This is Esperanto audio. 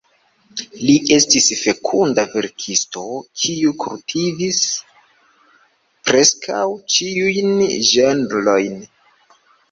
Li estis fekunda verkisto, kiu kultivis preskaŭ ĉiujn ĝenrojn.